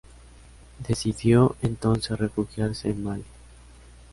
Decidió entonces refugiarse en Malí.